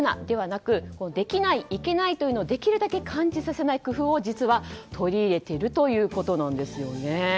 ではなくできない、行けないというのをできるだけ感じさせない工夫を実は取り入れているということです。